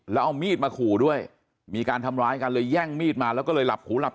ไปดูที่งานศพนะครับเธอร้องไห้แทบขาดใจครับ